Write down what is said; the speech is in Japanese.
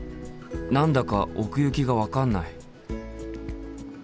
何だか奥行きが分かんない。